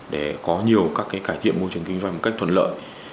để có nhiều các cải thiện môi trường kinh doanh một cách thuận lợi